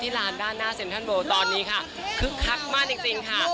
ที่ลานด้านหน้าเซ็นทรัลเวิร์ลตอนนี้ค่ะคึกคักมากจริงจริงค่ะ